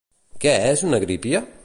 Què és una grípia?